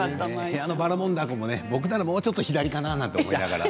部屋のばらもんだこも僕ならもうちょっと左かなって思いながら。